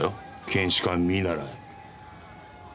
検視官見習い。